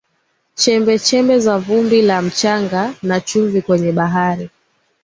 chembechembe za vumbi la mchanga na chumvi kwenye bahari